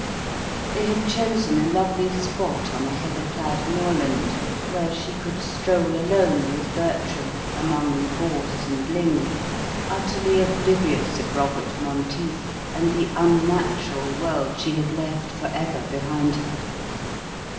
They had chosen a lovely spot on a heather clad moorland, where she could stroll alone with Bertram among the gorse and ling, utterly oblivious of Robert Monteith and the unnatural world she had left for ever behind her.